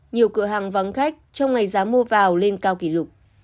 nhiều cửa hàng vắng khách trong ngày giá mua vào lên cao kỷ lục